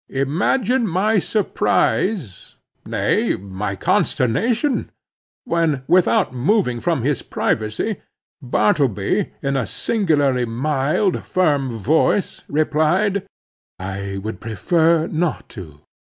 Imagine my surprise, nay, my consternation, when without moving from his privacy, Bartleby in a singularly mild, firm voice, replied, "I would prefer not to."